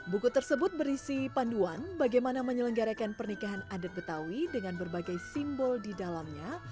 buku tersebut berisi panduan bagaimana menyelenggarakan pernikahan adat betawi dengan berbagai simbol di dalamnya